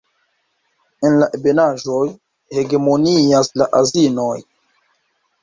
En la ebenaĵoj hegemonias la anzinoj.